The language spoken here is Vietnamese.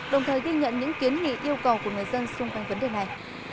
đồng thời ghi nhận những kiến nghị yêu cầu của người dân xung quanh vấn đề này